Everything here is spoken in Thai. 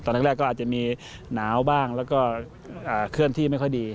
ตอนแรกก็อาจจะมีหนาวบ้างแล้วก็เคลื่อนที่ไม่ค่อยดี